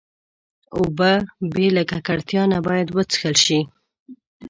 اوبه بې له ککړتیا نه باید وڅښل شي.